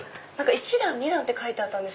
１段２段って書いてあった。